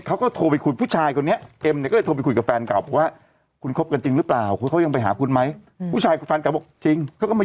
เขาก็โทรไปคุยผู้ชายกันเนี่ยเอ็มเนี่ยก็เลยโทรไปคุยกับแฟนเก่า